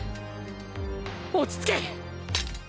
落ち着け！